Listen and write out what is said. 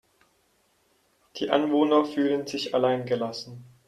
Die Anwohner fühlen sich allein gelassen.